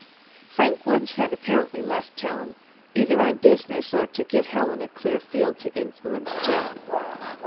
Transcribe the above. Frank Woods had apparently left town, either on business or to give Helen a clear field to influence Jim.